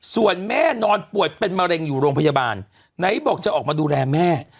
ส่วนแม่นอนป่วยเป็นมะเร็งอยู่โรงพยาบาลไหนบอกจะออกมาดูแลแม่